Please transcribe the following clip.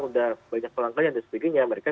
sudah banyak pelanggan dan sebagainya mereka